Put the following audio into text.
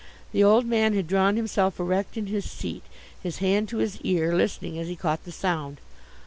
The old man had drawn himself erect in his seat, his hand to his ear, listening as he caught the sound.